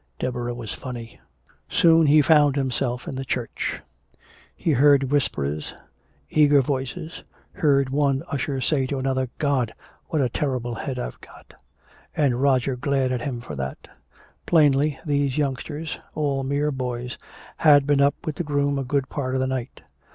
Deborah was funny! Soon he found himself in the church. He heard whispers, eager voices, heard one usher say to another, "God, what a terrible head I've got!" And Roger glared at him for that. Plainly these youngsters, all mere boys, had been up with the groom a good part of the night....